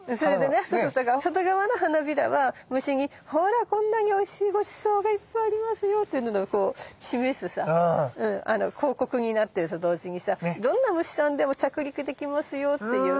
そうそだから外側の花びらは虫にほらこんなにおいしいごちそうがいっぱいありますよっていうのこう示すさ広告になってんのと同時にさどんな虫さんでも着陸できますよっていうヘリポートにもなってて。